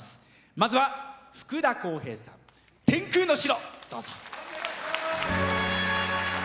まずは福田こうへいさん「天空の城」。